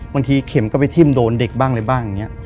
บางทีเข็มก็ไปทิ้มโดนเด็กบ้างเลยบ้างอย่างนี้